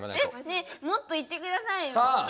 ねえもっといってくださいよ。